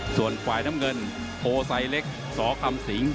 ส่วนฝ่ายน้ำเงินโพไซเล็กสคำสิง